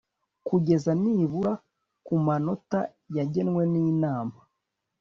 Kugeza nibura ku manota yagenwe n’Inama